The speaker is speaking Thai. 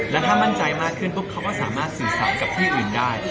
แล้วถ้ามั่นใจมากขึ้นปุ๊บเขาก็สามารถสื่อสารกับที่อื่นได้